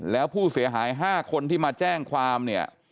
แล้วผู้เสียหาย๕คนที่มาแจ้งความเนี่ย